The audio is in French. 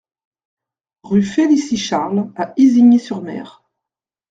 Rue Félicie Charles à Isigny-sur-Mer